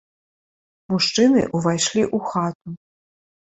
Мужчыны ўвайшлі ў хату.